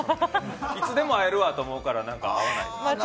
いつでも会えるわと思うから、なんか。